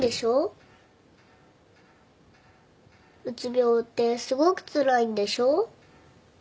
うつ病ってすごくつらいんでしょ？